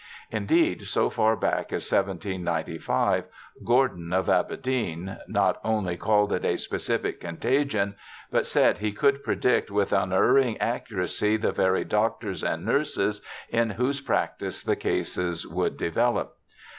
Indeed, so far back as 1795, Gordon, of Aberdeen, not only OLIVER WENDELL HOLMES 6i called it a specific contagion, but said he could predict with unerring accuracy the very doctors and nurses in whose practice the cases would develop.